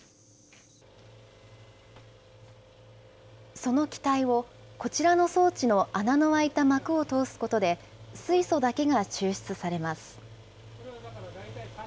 その気体をこちらの装置の穴の開いた膜を通すことで水素だけが抽出されます。